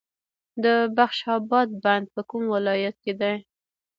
د بخش اباد بند په کوم ولایت کې دی؟